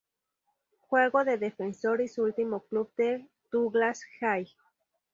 Jugo de Defensor y su último club fue Douglas Haig.